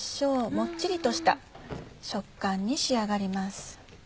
モッチリとした食感に仕上がります。